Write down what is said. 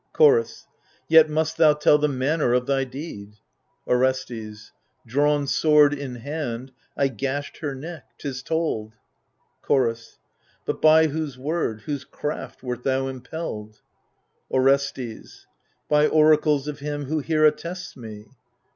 Chorus Yet must thou tell the manner of thy deed. Orestes Drawn sword in hand, I gashed her neck. 'Tis told. Chorus But by whose word, whose craft, wert thou impelled ? Orestes By oracles of him who here attests me.